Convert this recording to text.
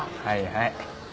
はいはい。